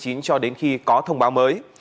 cho đến khi có thông báo mới